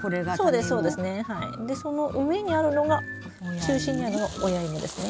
でその上にあるのが中心にあるのが親イモですね。